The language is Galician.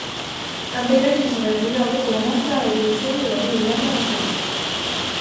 Canteira que xa se fai realidade, como mostra a evolución de Darío Miranda Pastoriza.